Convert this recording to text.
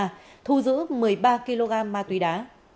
bắt giữ một mươi ba kg ma túy đá